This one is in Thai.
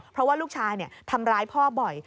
เพราะว่าลูกชายทำร้ายพ่อบ่อย